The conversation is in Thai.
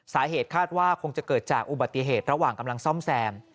สาเหตุคาดว่าคงจะเกิดจากอุบัติเหตุระหว่างกำลังซ่อมแซม